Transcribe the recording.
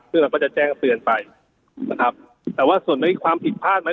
ซึ่งเราก็จะแจ้งเตือนไปนะครับแต่ว่าส่วนมันมีความผิดพลาดไหม